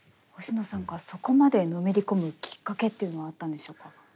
星野さんがそこまでのめり込むきっかけっていうのはあったんでしょうか？